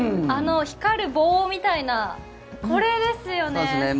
光る棒みたいなのがこれですよね。